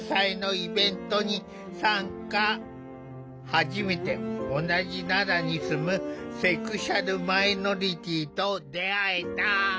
初めて同じ奈良に住むセクシュアルマイノリティーと出会えた。